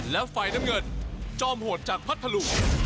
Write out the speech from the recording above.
และไฟน้ำเงินจอมหวดจากพัทลุ